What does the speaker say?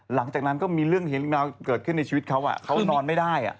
หลังจากนั้นก็มีเรื่องเห็นเกิดขึ้นในชีวิตเค้าอะเค้านอนไม่ได้อะ